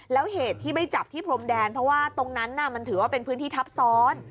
แล้วเหตุที่ไม่จับที่พรมแดนเพราะว่าตรงนั้นมันถือว่าเป็นพื้นที่ทับซ้อน